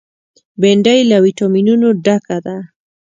بېنډۍ له ویټامینونو ډکه ده